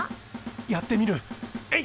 やってみるえいっ！